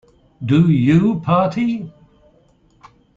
Do You Party?